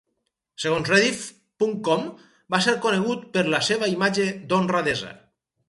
Segons rediff.com, va ser conegut per la seva imatge d"honradesa.